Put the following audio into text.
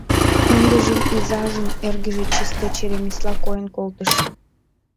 Ындыжым изажын эргыже чисте черемисла койын колтыш.